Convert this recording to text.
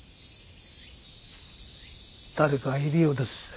誰かいるようですぜ。